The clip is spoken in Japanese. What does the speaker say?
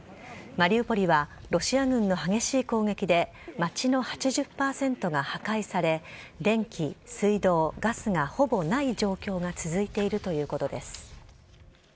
マリウポリはロシア軍の激しい攻撃で街の８０％が破壊され電気、水道、ガスがほぼない状況が続いているということです。